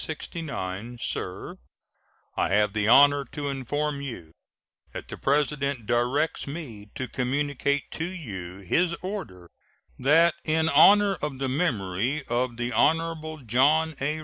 SIR: I have the honor to inform you that the President directs me to communicate to you his order that in honor of the memory of the Hon. John A.